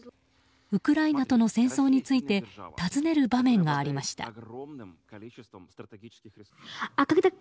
ウクライナとの戦争について尋ねる場面がありました。